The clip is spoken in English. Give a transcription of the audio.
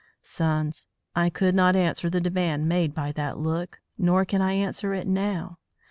_ Sons, I could not answer the demand made by that look, nor can I answer it now.